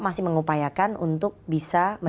masih mengupayakan untuk bisa